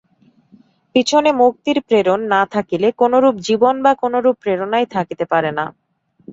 পিছনে মুক্তির প্রেরণা না থাকিলে কোনরূপ জীবন বা কোনরূপ প্রেরণাই থাকিতে পারে না।